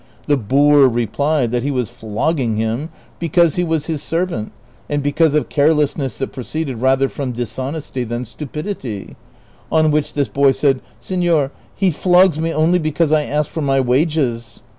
The boor replied that he was flogging him because he was his ser vant and because of carelessness that proceeded rather from dis honesty than stupidity ; on which this boy said, ' Seiior, he flogs me only because I ask for my wages.'